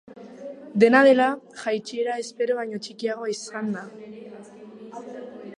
Dena dela, jaitsiera espero baino txikiagoa izan da.